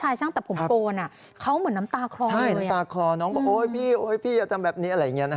ให้กำลังใจ